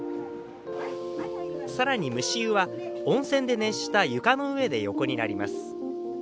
さらに蒸し湯は、温泉で熱した床の上で横になります。